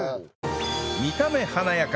見た目華やか